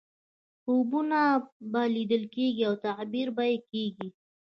خوبونه به لیدل کېږي او تعبیر به یې کېږي.